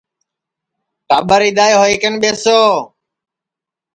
ٹاٻر اِدؔائے ہوئی کن ٻیسو